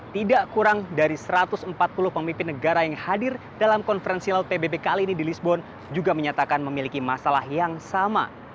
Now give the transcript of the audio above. tidak kurang dari satu ratus empat puluh pemimpin negara yang hadir dalam konferensi laut pbb kali ini di lisbon juga menyatakan memiliki masalah yang sama